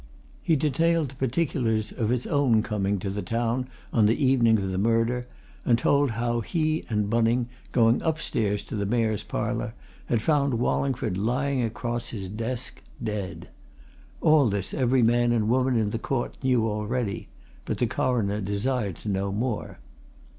He detailed the particulars of his own coming to the town on the evening of the murder, and told how he and Bunning, going upstairs to the Mayor's Parlour, had found Wallingford lying across his desk, dead. All this every man and woman in the court knew already but the Coroner desired to know more.